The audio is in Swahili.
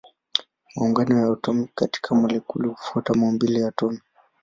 Maungano ya atomi katika molekuli hufuata maumbile ya atomi.